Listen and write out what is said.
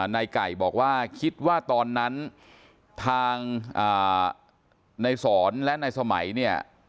นายไก่บอกว่าคิดว่าตอนนั้นทางนายสอนและนายสมัยเนี่ย